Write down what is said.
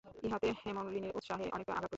ইহাতে হেমনলিনীর উৎসাহে অনেকটা আঘাত পড়িল।